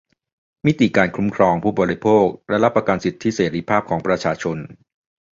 มิติการคุ้มครองผู้บริโภคและรับประกันสิทธิเสรีภาพของประชาชน